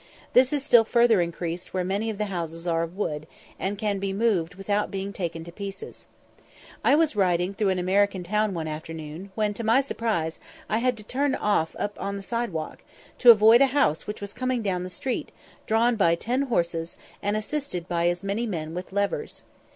This is still further increased where many of the houses are of wood, and can be moved without being taken to pieces. I was riding through an American town one afternoon, when, to my surprise, I had to turn off upon the side walk, to avoid a house which was coming down the street, drawn by ten horses, and assisted by as many men with levers.